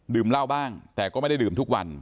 เหล้าบ้างแต่ก็ไม่ได้ดื่มทุกวัน